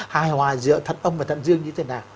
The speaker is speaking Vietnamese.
hài hòa giữa thận âm và thận dương như thế nào